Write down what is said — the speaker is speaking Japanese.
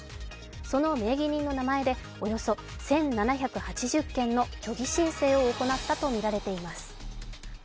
その名義人の名前でおよそ１７８０件の虚偽申請を行ったとみられています。